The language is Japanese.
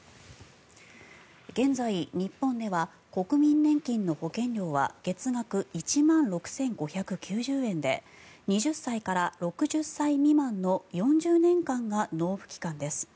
現在、日本では国民年金の保険料は月額１万６５９０円で２０歳から６０歳未満の４０年間が納付期間です。